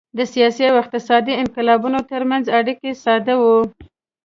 د سیاسي او اقتصادي انقلابونو ترمنځ اړیکه ساده وه